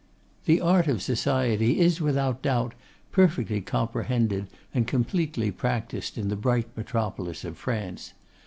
The art of society is, without doubt, perfectly comprehended and completely practised in the bright metropolis of France.